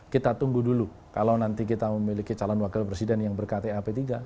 kita tunggu dulu kalau nanti kita memiliki calon wakil presiden yang berkata p tiga